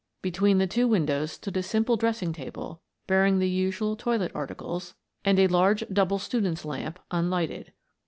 Between the two windows stood a simple dressing table, bearing the usual toilet articles and a large double student's lamp, unlighted.